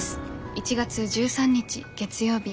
１月１３日月曜日。